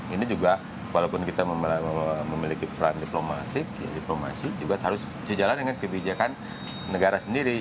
ini juga walaupun kita memiliki peran diplomatik diplomasi juga harus sejalan dengan kebijakan negara sendiri